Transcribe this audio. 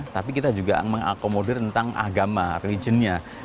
tapi kita juga mengakomodir tentang agama religionnya